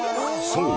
［そう。